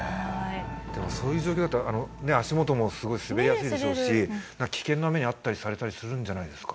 でもそういう状況だと足元もすごい滑りやすいでしょうし危険な目に遭ったりされたりするんじゃないですか？